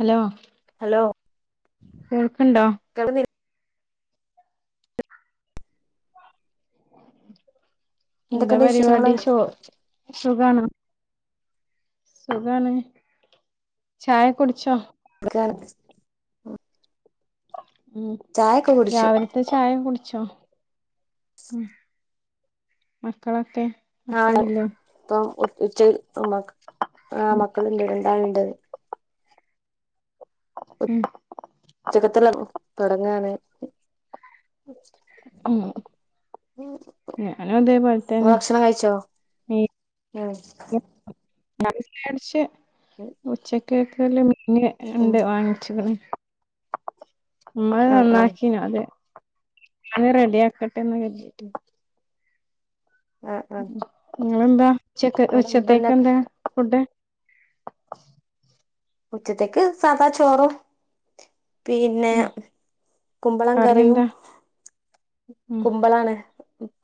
Hello hello കേൾക്കണ്ടോ കേൾക്കുന്നില്ലേ എന്താ എന്തൊക്കെയുണ്ട് വിശേഷങ്ങള് പരിപാടി സു സുഖണോ സുഖാണ് ചായ കുടിച്ചോ [unintelligible] ഉം ചായൊക്കെ കുടിച്ചു രാവിലത്തെ ചായയും കുടിച്ചോ ഉം മക്കളൊക്കെ ആ മക്കളില്ലേ ഇപ്പം ഉച്ച ഉമ്മ ആ ഉം മക്കളുണ്ട് രണ്ട് ഉം ഉച്ചക്കത്തെല്ലാം തുടങ്ങാണ് ഉം ഞാനും അതേപോലെ ത്തന്നെ ഭക്ഷണം കഴിച്ചോ ഉം ടിച്ച് ഉച്ചക്കക്കല് മീൻ ഉം ഉണ്ട് ഉം വാങ്ങിച്ച ഉ് ഉം നന്നാക്കന അതെ ഞൻ റെഡി ആക്കട്ടെന്ന് കട്ടിട്ട് ആഹ ഉഹ നിങ്ങെന്താ ഉച്ചക്ക് ഉച്ചത്തേക്ക എന്താ ഫുഡ് ഉറ്റത്തേക്ക് സാദാ ചോറോ പിന്നെ ഉം കുമ്പളം കറിയും കറിയെന്താ ഉം കുമ്പളാണ്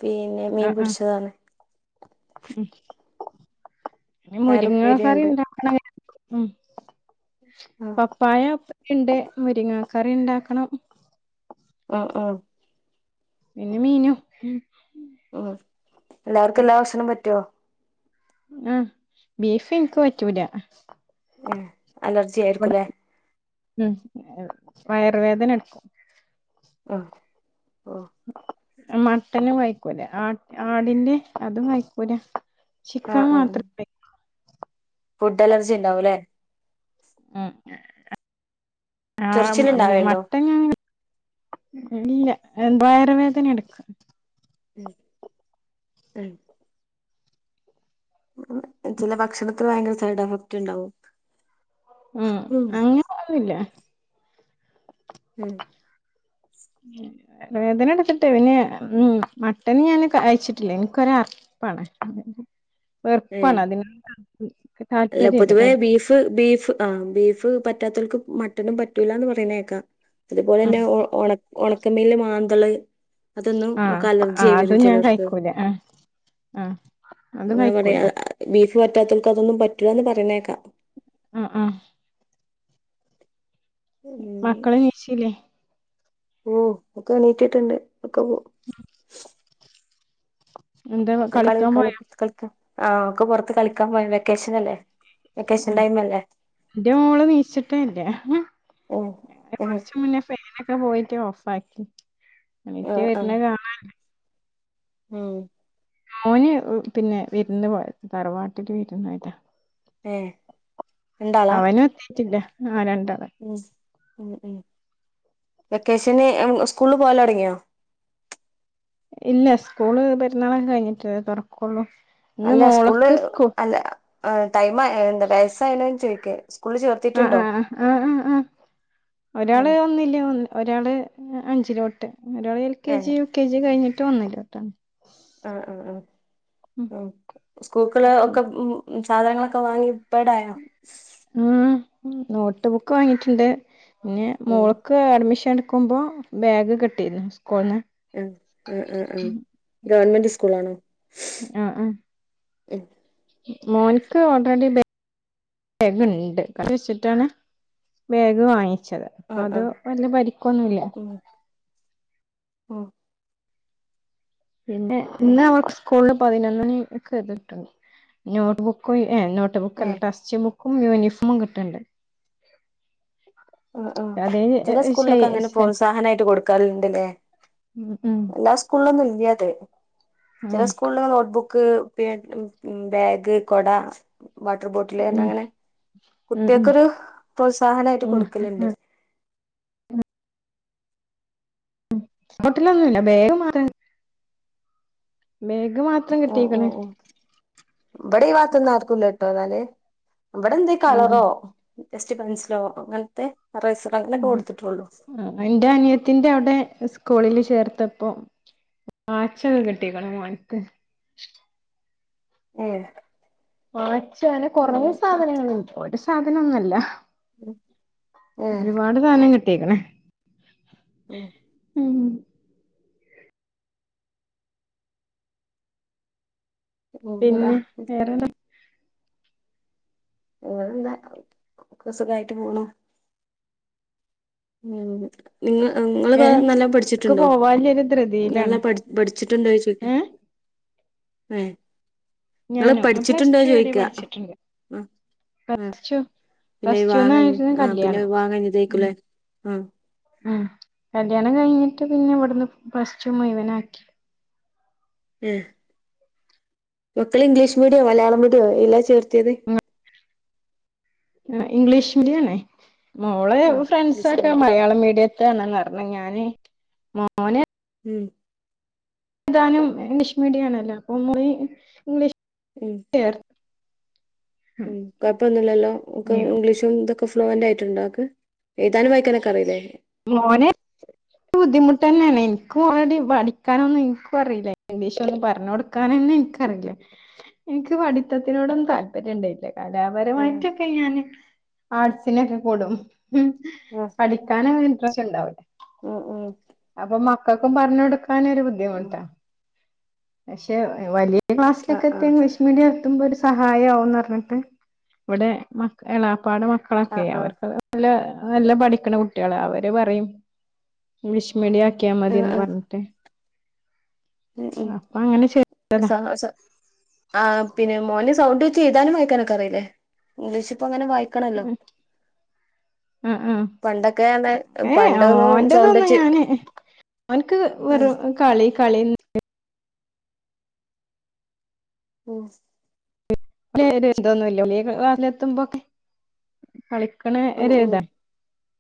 പിന്നെ മീൻപൊടിച്ചതാണ് ഉ പയറുപ്പേരിയുണ്ട് മുരിങ്ങുകളൊക്കറിണ്ട ഉം ഉം പപ്പായ ഇണ്ട് മുരിങ്ങ കറി ഉണ്ടാക്കണം ആഹ് ആ പിന്നെ മീനും ഉം എല്ലാവർക്കും എല്ലാ ഭക്ഷണവും പറ്റുവോ ആഹ ബീഫ് എനിക്ക് പറ്റൂല ഉം അലർജിയ ഇവിടെ ആയിരരിക്കലേ ഉം വയർവേദന എടുക്കും ആഹ മട്ടന് കഴക്കൂരാ ആ ആടിന്റെ അതും കഴക്കൂരാ ആഹ് ശിക്കം ആഹ് മാത്രല്ലേ ഫുഡ് അലർജി ഉണ്ടാവുംല്ലേ ഉ ആ ചൊറിച്ചിലുണ്ടാവേണ്ടോ മട്ടന് ഇല്ല എന്ത വയറ വേദന എടുക്കാം ഉം ഉം ചില ഭക്ഷണത്തിൽ ഭയങ്കര സൈഡ് എഫക്റ്റ് ഉണ്ടാവും ഉം അങ്ങനെ ഒന്നില്ല ഉം വേദന എടുത്തിട്ട് പിന്നെ ഉം മട്ടന് ഞാന് അയച്ചിട്ടില്ല എനിക്കൊര അർപ്പാണ് വെറുപ്പാണ് ഏഹ് അതിന് അല്ല പൊതുവേ ബീഫ് ബീഫ് ആ ബീഫ് പറ്റാത്തവക്ക് മട്ടനും പറ്റൂല്ലാന്ന് പറയുന്നേക്കാം അതുപോലെ ഉം തന്നെ ഒണ ഒണക്കമേൽാന് അ അതൊന്നും ആഹ് ഒക്കെ അലർജി ആഹ് ആയി വരും അതും ഞാൻ ചിലർക്ക് കഴിക്കൂല ആഹ് ആഹ് അത് അങ്ങനെ കഴിക്കൂല പറയാ ബീഫ് പറ്റാത്തവർക്ക് അതൊന്നും പറ്റില്ലന്ന് പറയുന്നേക്കാം ആഹ് ആഹ് മക്കളെ മീശല്ലേ ഓ ഒക്കെ എണീറ്റിട്ടുണ്ട് ഒക്കെ പോ എന്താ കള കളിക്കാൻ കളി പോയോ ആഹ് ഒക്ക പുറത്ത് കളിക്കാൻ പോ വെക്കേഷനല്ലേ ഉ ന്റെ മോള് നീച്ചിട്ടല്ല ഉം ഉം കുറച്ച മുന്നേ ഫനൊക്കെ പോയിട്ട് ഓഫ് ആക്കി ഈറ്റ വരുന്ന കാണ ആം മോന് പിന്നെ വിരുന്ന് പോയ് തറവാട്ടില് വീരുന്നായിട്ടാ ഏ അവനും എത്തീട്ടില്ല ആനണ്ട് ഉം ഉം ഉം വെക്കേഷന് സ്കൂളില് പോവലൊടങ്ങിയോ ഇല്ല സ്കൂള് പെരുന്നാളൊക്കെ കഴിഞ്ഞിട്ട് തുറക്കുള്ളൂ അല്ല സ്കൂള് അല്ല ടൈം എന്താ വയസായനന്ന് ചോയ്ക്ക് സ്കൂളിൽ ചേർത്തിട്ടുണ്ടോ ആ ഒരാൾ ഉം ഒന്നില് ഒരാൾ അഞ്ചിലോട്ട് ഒരാള് എൽ കെ ഏഹ് ജി യു കെ ജി കഴിഞ്ഞിട്ട് വന്നില്ലട്ടാ ആ ആ ആ ഉ സ്കൂക്കള് ബഡായോ ആഹ് നോട്ട് ബുക്ക് വാങ്ങിയിട്ടുണ്ട് പിന്നെ ഉം മോള്ക്ക് അഡ്മിഷൻ എ നോക്കുമ്പോ ബാഗ് കിട്ടിയിരുന്നു സ്കൂൾന്ന് ആ ആ ആ ആ ഗവൺമെന്റ് സ്കൂളാണോ ആഹ അഹ് ഉം മോനിക്ക് ഓൾറെഡി ബാഗുണ്ട് കഴി വെച്ചിട്ടാണ് ബാഗ് വാങ്ങി ത് അപ്പൊ ആഹ് അത് ആഹ് വല്ല പരിക്കൊന്നുമല്ല ഉം ഉം പിന്നെ ഉം ഇന്ന് അവർക്ക് സ്കൂളിൽ പതിനൊന്നണി ഒക്കെ എതിട്ടുണ്ട് നോട്ട്ബുക്കും ബുക്കല്ല ഏഹ് ടെസ്റ്റ് ബുക്കും യൂണിഫോമു കിട്ടണ്ട് ഉ ഉ ചില സ്കൂളിലൊക്കെ അങ്ങനെ അത് പ്രോത്സാഹന ആയിട്ട് കൊടുക്കാറുണ്ട്ല്ലേ ഉം ഉം എല്ലാ സ്കൂളിലൊന്നും ഇല്ലതെ ചില ഉം സ്കൂളില് നോട്ട്ബുക്ക് ക്ക് പി ബാഗ് കൊട വാട്ടർ ബോട്ടിൽെ ഉം അങ്ങനെ ഉം ഉം കുട്ടികൾക്കൊരു പ്രോത്സാഹന ആയിട്ട് ഉം കൊടുക്കലുണ്ട് ഇങ്ങോട്ടൊന്നല്ല വേഗ മാറ ഓ ഉഓ ഉഓ ബടെ വാത്തൊന്ന ആർക്കുംല്ല കേട്ടോ എന്നാലേ അവിടെ എന്ത ഉം കളറോ ജസ്റ്റ് പെൻൻസിലോ അങ്ങനത്തെ റൈസർ ഉ അങ്ങനൊക്കെ കൊടുത്തിട്ടുള്ളൂ എന്റെ അനിയത്തിന്റെ അവിടെ സ്കൂളില് ചേർത്ത ഇപ്പൊ ആച്ചക കിട്ടിക്കണം മോനക്ക് ഏ മച്ച അനെ കൊറേ സാധനങ്ങുണ്ട് ഒരു സാധന ഒന്നല്ല ഏ ഒരുപാട് സാധനം കിട്ടിയക്കണേ ഓ എന്താ പിന്നെ വേറെണ എന്താ സുഖായിട്ട് പോണ ഉം നിങ്ങ നിങ്ങൾക്ക ഏഹ് നല്ല ക്ക് പഠിച്ചിട്ടുണ്ടോ പോവാല്ലൊരു നല്ല ധൃതിയിലാണ് പഠിച്ചിട്ടുണ്ടോ ചോദിക്ക [inaudible] ഏ നിങ്ങള് ഞാനോ ഞാൻ പ്ലസ് പഠിച്ചിട്ടുണ്ടോ ടു വരെ ചോദിക്ക ആ പഠിച്ചിട്ടുണ്ട് ആ പ്ലസ് ടു പിന്നെ പ്ലസ് വാങ്ങഞ്ഞ് ടൂന്നായിരുന്നു ആ പിന്നെ കല്യാണം വാങ്ങഞ്ഞ ഉം ഇതേക്കൂല്ലേ ആ ഉം കല്യാണം കഴിഞ്ഞിട്ട് പിന്നെ ഇവിടുന്ന് പ്ലസ്ടു മുഴുവനാക്കി ഉഹ മക്കൾ ഇംഗ്ലീഷ് മീഡിയം മലയാളം മീഡിയം എല്ലാ ചേർത്തിയത് ആ ഇംഗ്ലീഷ് മീഡിയാണേ മോ ഓളെ ആഹ് ഇംഗ്ലീഷ് ഫ്രണ്ട്‌സ്ക്കെ മീഡിയം മലയാള മീഡിയത്തിലാണന്ന് പറഞേ ഞാന് മോന് ഹം എതാനും ഇംഗ്ലീഷ് മീഡിയം ആണല്ലോ അപ്പൊ മോന് ഇംഗ്ലീഷ് മീഡിയം ഉ കൊഴപ്പൊന്നുമില്ലല്ലോ ഓൾക്ക് ഇംഗ്ലീഷും ഇതൊക്കെ ഫ്ലൂവന്റ് ആയിട്ടുണ്ടൊൾക്ക് എഴുതാനും വായിക്കാനൊക്കെ അറിയില്ലേ മോന ബുദ്ധിമുട്ട് തന്നെയാണ് എനിക്കും ഓൾറെഡി പഠിക്കാനൊന്നും എനിക്കും അറിയില്ല ഇംഗ്ലീഷ് ഒന്ന് പറഞ് കൊടുക്കാന എനിക്കറിയില്ല എനിക്ക് പഠിത്തത്തിനോടൊന്നും താല്പര്യം ഉണ്ടായില്ല ആഹ് കലാപരമായിട്ടൊക്കെ ഞാന് ആർട്ടിനൊക്കെ കൂടും ആഹ് പഠിക്കാന ഇൻട്രസ്റ്റ് ഉണ്ടാവില്ല ആഹ് ആഹ് അപ്പൊ മക്കൾക്കും പറഞ്ഞൊടുക്കനൊരു ഉം ബുദ്ധിമുട്ടാ പക്ഷെ വലിയ ആഹ് ക്ലാസ്സിലൊക്കെ ആഹ് ഇംഗ്ലീഷ് മീഡിയം എത്തുമ്പോ ഒരു സഹായംമാവുംന്ന് പറഞ്ഞിട്ട് ഇവിടെ മ പാട് മക്കളൊക്കെ ആഹ് ആഹ് അവർക്ക് നല്ല നല്ല പഠിക്കുന്ന കുട്ടികള അവർ അവ പറയും ഇംഗ്ലീഷ മീഡിയ ആക്കിയാൽ മതിന്ന് പറഞ്ഞിട്ട് ഉ അപ്പൊ അങ്ങനെ ചേ ഉ സ ആ പിന്നെ മോന് സൗണ്ട് വെച്ച് എഴുതാനും വായിക്കാനൊക്കെ അറിയില്ലേ ഇംഗ്ലീഷ് ഇപ്പ അങ്ങനെ വായിക്കണല്ലോ ആ ആ പണ്ടൊക്കെ എന്താ ഏ പണ്ടൊന്നും സൗണ്ട് വെച്ച് അവനക്ക് ആഹ് വെറ കളി കളി ഉം അല്ല എന്തോന്നുമല്ലറിെത്തുമ്പോൊക്കെ ഉം ഉം കള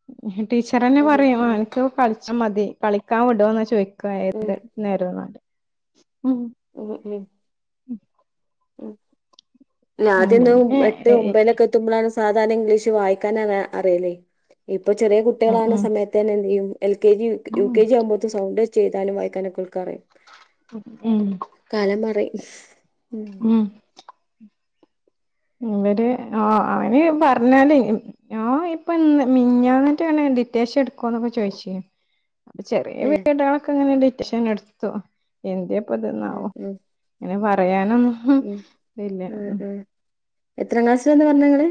[unintelligible] ടീച്ചർന്നെ ഉം ഉം പറയും ഉം എനക്ക് കളി മതി കളിക്കാൻ വിടുവാന്നാ ചോയിക്കുവ ഏത് നേരം [unintelligible] ഉം ഉം ഉം ഉ അല്ല ഉം ആദ്യംന്ന് പിന്നെ എട്ട് ഒമ്പലൊക്കെ എത്തുമ്പോഴാണ് സാധാരണ ഇംഗ്ലീഷ് വായിക്കാ അറിയില്ലേ ഇപ്പൊ ചെറിയ കുട്ടികള ഉം ആണ ഉം സമയത്ത് തന്നെ എന്ത് ചെയ്യും L K G U K G ആവുമ്പോത് ന് സൗണ്ട് വെച്ചെയ്താനും വായ്ക്കാനും ഓൾക്ക് അറിം ഉ ഉം ഉ് ഉം ഇവര് ആ അവന് [unintelligible] പറഞ്ഞാലെ ഓൻ ഇപ്പൊ ഇ മിഞ്ഞാന്നറ്റെ ആണ ഡിറ്റേഷൻ ഇട്ക്കുവൊന്നൊക്കെ ചോദിച്ചീ നി അപ്പൊ ചെറിയ ഏഹ് വേഡോളൊക്കെ ഇങ്ങനെ ഡിറ്റെഷൻ എടുത്തു എന്ത്യേ പ്പത് ഉം ന്നാവോ ഉം ഇങ്ങനെ പറയാനൊന്നും ഉം ത് ഇല്ല ഉം ഉം എത്രാം ക്ലാസ്സിലാന്ന പറഞ്ഞത്ങ്ങള്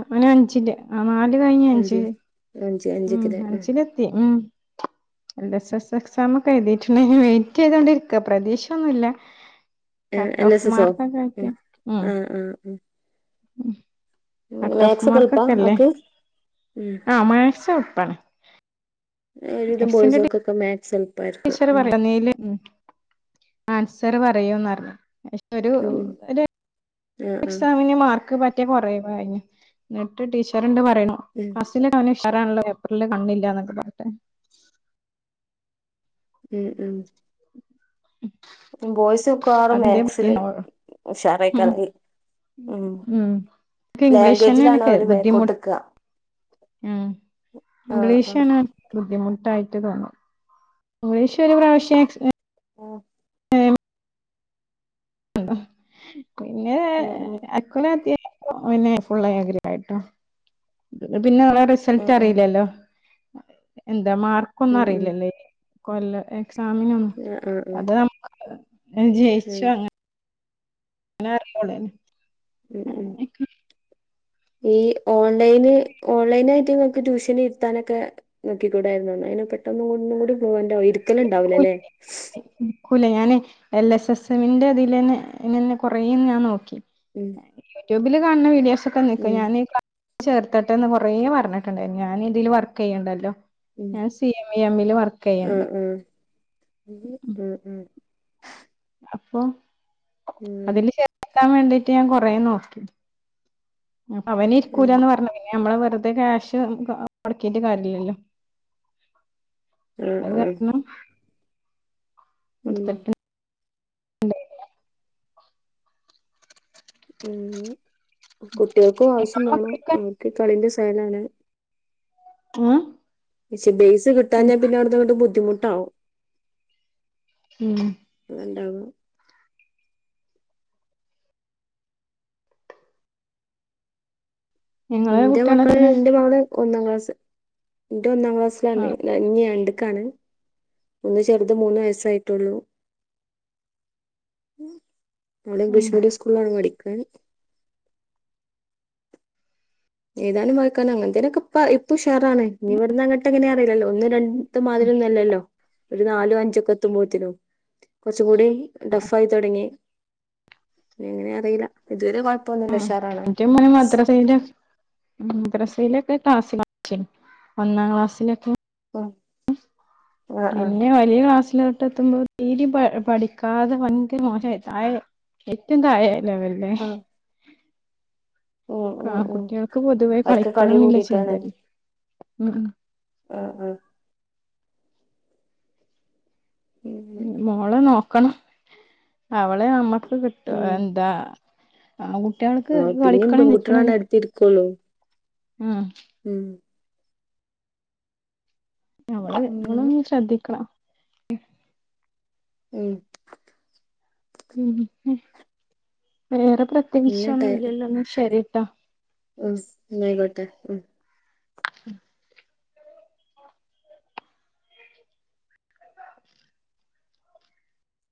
അവന് അഞ്ചില്. ആ നാല് കഴിഞ്ഞ് അഞ്ച്. അഞ്ച് ഉം അഞ്ച്ക്ക്ല്ലേ അഞ്ചിലെത്തി ഉം എൽ എസ് എസ് എക്സാം ഒക്കെ എഴുതീറ്റ്ണ്ട് അയ്ന് വെയിറ്റ് ചെയ്തോണ്ടിരിക്ക പ്രതീക്ഷൊന്നുല്ല ഏ, കട്ട് എൽ ഓഫ് എസ് എസോ മാർക്കൊക്കെ ഉം ആയ്റ്റ് ഉം ആഹ് ആഹ് ഉം കട്ട് ഓഫ് മാത്സ് ഒക്കെ മാർക്ക് എളുപ്പാ ഒക്കെല്ലേ ആക്ക് ഉം ആഹ് മാക്സ് എൾപ്പാണ് ഒരു വിധം ബോയ്സേക്കൊക്കെ മാക്സെൾ ടീച്ചർ പറയും [unintelligible] ആൻസർ പറയുംന്ന് പറഞ്ഞ് ഒരു ഉം ഉം ഒര് ആഹ് ആഹ് എക്സാമിന്റെ മാർക്ക് പറ്റെ കൊറയും [unintelligible] ഇന്നട്ട് ടീച്ചർണ്ട് പറയ്ണ് ഉം ക്ലാസ്സിലവന് ശാറാണല്ലോ പേപ്പറില് കണ്ണില്ല എന്നൊക്കെ പറഞ്ഞ്ട്ട് ഉം ഉം [unintelligible] ബോയ്സ് മിക്കവാറും അതെന്തേ മാക്സില് പറ്റിയെന്നാവോ ഉം ഉഷാറേക്കാരം ഉം ഇൻക്ക് ഇംഗ്ലീഷ് ലാംഗ്വേജിലാണ് തന്നെയാണ് അവര് ബേക്കോട്ട് ബുദ്ധിമുട്ട് നിക്ക ഉം ആഹ് ഇംഗ്ലീഷാണ് ബുദ്ധിമു ട്ടായിട്ട് തോന്നും ഒരിശ ഒരു പ്രാവശ്യ ആഹ് [unintelligible] പിന്നെ ഉം ഉം [unintelligible] ഓ പിന്നെ ഫുള്ള് എ ഗ്രേഡ് ആയിട്ടോ പിന്നെ [unintelligible] റിസൾട്ട് ഉം ഉം അറില്ലല്ലോ മാർക്ക് ഒന്നും ഉം ഉം അറിയില്ലല്ലേ കൊല്ല എക്സാമിനൊന്നും ആഹ് ആഹ് ആഹ് അത് നമുക്ക് ഹെ ഉം ജയിച്ചു അങ്ങ നർഞ്ഞോള് ഉം ഉം [unintelligible] ഈ ഓൺലൈന് ഓൺലൈനായിട്ട് ഇങ്ങക്ക് ട്യൂഷന് ഇരുത്താനൊക്കെ നോക്കിക്കൂടായിരുന്നൊ [unintelligible] ന്നെ പെട്ടന്നും കൊ ഒന്നും കൂടി [unintelligible] ഇരിക്കല് ഇണ്ടാവുല ല്ലേ ക്കൂലാ. ഞാനേ എൽ എസ് എസ് എമ്മന്റെ തിലന്നെ അയ്നന്നെ കൊറേ ഞാൻ നോക്കി ഉം ട്യൂബിൽ കാണണ വീഡിയോസൊക്കെ നീക്ക ഉം ഞാൻ [unintelligible] ചേർത്തട്ടെന്ന് കൊറേ പറഞ്ഞിട്ടുണ്ടായി ഞാൻ ഇതില് വർക്ക് ചെയ്യ്ണ്ടല്ലോ ഉം ഞാൻ സി എം ഇ എം ല് വർക്ക് ചെയ്യ്ണ്ട് ഉ ഉം ഉം അപ്പൊ ഉം അതില് ചേർത്താൻ വേണ്ടിട്ട് ഞാൻ കൊറെ നോക്കി അപ്പവന് ഉം ഇരിക്കൂലാന്ന് പറഞ്ഞ് പിന്നെ ഞമ്മള് വെർ തെ ക്യാശ് മൊടക്കിട്ട് കാര്യല്ലല്ലോ ആഹ് അത് ആഹ് പറഞ്ഞു ഉം [unintelligible] ഉം കുട്ടികൾക്കും നിങ്ങളെ ആവശ്യം വേണം മക്കളൊക്കെ അവർക്ക് കളിന്റെ സൊയലാണ് ഉം പക്ഷെ ബേസ് കിട്ടാ ഞാ പിന്നെ അവിടുന്നങ്ങട്ട് ബുദ്ധിമുട്ടാവും ഉം അതണ്ടാവാ നിങ്ങളെ ഇന്റെ മക്കള് കുട്ടികളൊക്കെ ഇന്റെ മകള് ഒന്നാം ക്ലാസ്. ഇൻ്റെ ഒന്നാം ആ ക്ലാസിലാണ്. ഇഞ്ഞി രണ്ട് ക്കാണ്. ഒന്ന് ചെറുത് മൂന്ന് വയസ്സായിട്ടുള്ളൂ നമ്മടെ ഉം ഇംഗ്ലീഷ് മീഡിയം സ്കൂളിലാണ് പഠിക്കണ് ഏതാനും വായിക്കാനും അങ്ങനത്തേനൊക്കെ ഇപ്പ ഉഷാറാണ്. ഇനി ഇവിടുന്ന അങ്ങട്ട് എങ്ങനെ ന്ന് അറിയില്ലല്ലോ. ഒന്ന് രണ്ട് മാതിരി ഒന്നല്ലല്ലോ ഒരു നാലോ അഞ്ചൊക്കെ എത്തുമ്പോത്ത്നും കൊ കൂടി ടഫ് ആയി തുടങ്ങി. ഇനി എങ്ങനെ അറിയില്ല ഇതുവരെ ഉ കുഴപ്പൊന്നുല്ല ഉഷാറാണ് മറ്റെ മ്മന മദ്രസയില മദ്രസയിലൊക്കെ ക്ലാസ് മാറ്റിക്ണ്. ഒന്നാം ക്ലാസ്സിലൊക്കെ ആ പിന്നെ വലിയ ക്ലാസ്സില് പത്ത എത്തുമ്പോ തീരിം പഠിക്കാതെ ഭയങ്കര മോശമായി താഴെ ഏറ്റവും താഴായി ലോല്ലേ ആഹ് ഉം ഉം ഉം ആൺകുട്ടികൾക്ക് പൊതുവേ അവർക്ക് കളി കളിക്കണം ന്നുള്ള ചിന്തല്ലേ ഉം ആ ആ ഉം മോളെ നോക്കണം അവളെ നമ്മക്ക് കിട്ടും എന്താ ആൺകുട്ടികൾക്ക് ആ പിന്നിം കളിക്കണം നിക്കണം പെൺകുട്ടികളാണ് അടുത്തിരിക്കുള്ളു ഉം ഉം അവള് നമ്മള ഉം ശ്രദ്ധിക്കണം ഉം ഉ വേറെ പ്രത്യേകിച്ച് ഇന്നട്ടെ ഒന്നും ഇല്ലല്ലോന്നാ ശരിട്ടാ ഉം ന്ന അയ്കോട്ടെ [unintelligible]